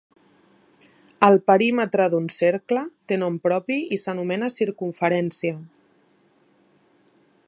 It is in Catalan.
El perímetre d'un cercle té nom propi i s'anomena circumferència.